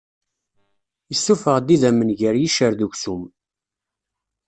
Issufeɣ-d idammen gar yiccer d uksum.